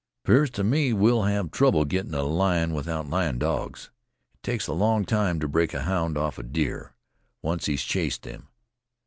"'Pears to me we'll have trouble gettin' a lion without lion dogs. It takes a long time to break a hound off of deer, once he's chased them.